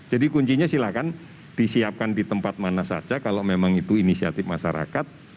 jadi kuncinya silahkan disiapkan di tempat mana saja kalau memang itu inisiatif masyarakat